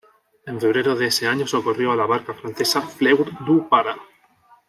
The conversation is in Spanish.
En febrero de ese año socorrió a la barca francesa "Fleur du Para".